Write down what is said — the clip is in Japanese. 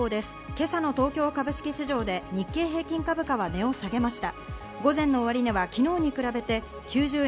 今朝の東京株式市場で日経平均株価は値を下げました。